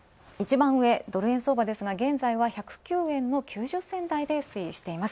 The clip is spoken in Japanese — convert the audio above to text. ドル円相場ですが、現在は１０９円の９０銭代で推移しています。